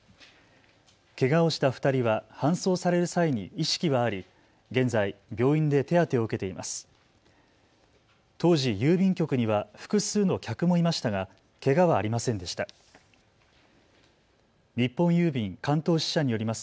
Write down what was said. けがをした２人は搬送される際に意識はあり、現在病院で手当てを受けています。